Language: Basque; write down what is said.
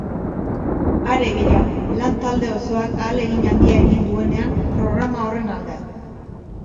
Are gehiago, lan-talde osoak ahalegin handia egin duenean programa horren alde.